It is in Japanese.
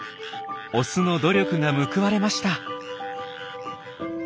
オスの努力が報われました。